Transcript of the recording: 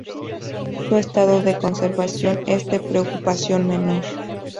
Su estado de conservación es de preocupación menor.